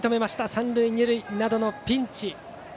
三塁二塁などのピンチ。